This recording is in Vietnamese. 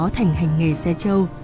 thành hành nghề xe trâu